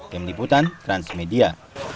kem liputan transmedia